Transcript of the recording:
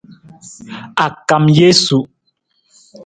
A kam jesu.